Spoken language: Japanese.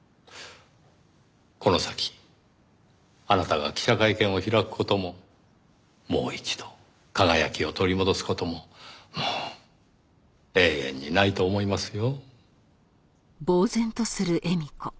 この先あなたが記者会見を開く事ももう一度輝きを取り戻す事ももう永遠にないと思いますよ。